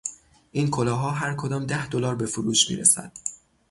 این کلاهها هر کدام ده دلار به فروش میرسد.